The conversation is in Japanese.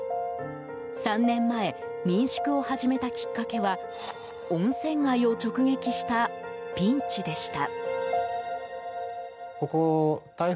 ３年前民宿を始めたきっかけは温泉街を直撃したピンチでした。